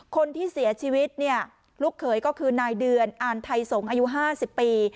คนที่เสียชีวิตเนี่ยลูกเขยก็คือนายเดือนอ่านไทยสงศ์อายุ๕๐ปี